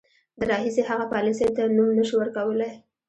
د راهیسې هغې پالیسۍ ته نوم نه شو ورکولای.